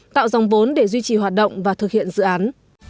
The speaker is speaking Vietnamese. tạo dòng vốn để duy trì hoạt động và thực hiện dự án